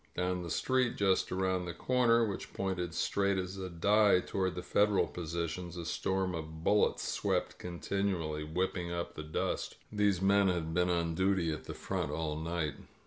Down the street, just around the corner, which pointed straight as a die toward the Federal positions, a storm of bullets swept continually, whipping up the dust. These men had been on duty at the front all night.